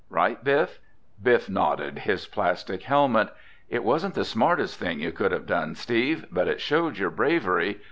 Right, Biff?" Biff nodded his plastic helmet. "It wasn't the smartest thing you could have done, Steve, but it showed your bravery.